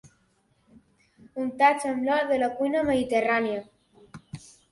Untats amb l'or de la cuina mediterrània.